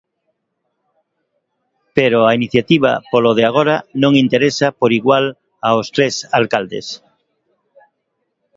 Pero a iniciativa polo de agora non interesa por igual aos tres alcaldes.